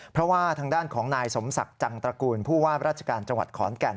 เพราะว่าทางด้านของนายสมศักดิ์จังตระกูลผู้ว่าราชการจังหวัดขอนแก่น